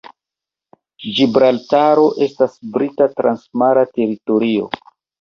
Ĝibraltaro estas Brita transmara teritorio.